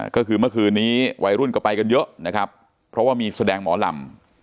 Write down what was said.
ก็คือเมื่อคืนนี้วัยรุ่นก็ไปกันเยอะนะครับเพราะว่ามีแสดงหมอลำ